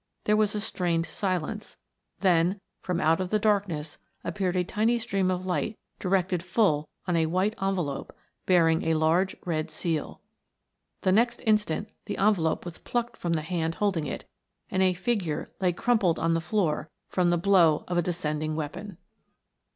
There was a strained silence, then, from out of the darkness appeared a tiny stream of light directed full on a white envelope bearing a large red seal. The next instant the envelope was plucked from the hand holding it, and a figure lay crumpled on the floor from the blow of a descending weapon.